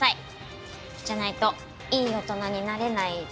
じゃないといい大人になれないぞ。